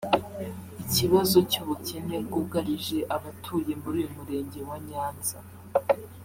Ikibazo cy’ubukene bwugarije abatuye muri uyu Murenge wa Nyanza